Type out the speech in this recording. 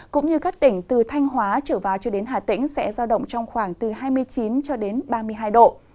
cũng như các tỉnh từ thanh hóa trở vào cho đến hà tĩnh sẽ giao động trong khoảng từ hai mươi chín cho đến ba mươi hai độ